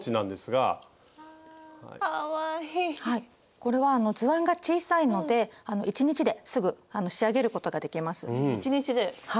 これは図案が小さいので１日ですぐ仕上げることができます。